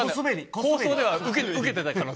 放送では受けてた可能性。